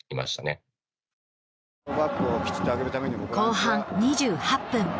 後半２８分。